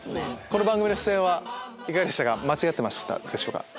この番組の出演はいかがでしたか間違ってましたでしょうか？